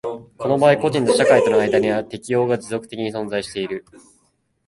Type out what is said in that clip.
この場合個人と社会との間には適応が持続的に存在している。